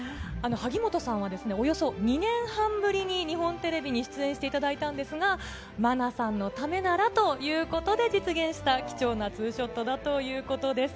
萩本さんは、およそ２年半ぶりに日本テレビに出演していただいたんですが、愛菜さんのためならということで実現した貴重なツーショットだということです。